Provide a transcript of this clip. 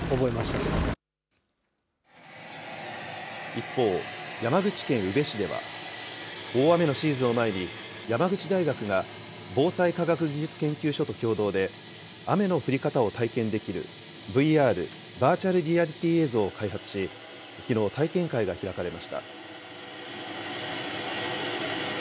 一方、山口県宇部市では、大雨のシーズンを前に、山口大学が防災科学技術研究所と共同で、雨の降り方を体験できる、ＶＲ・バーチャルリアリティー映像を開発し、きのう、体験会が開かれました。